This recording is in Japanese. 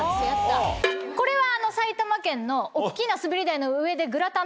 これは。